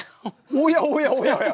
おやおやおやおや。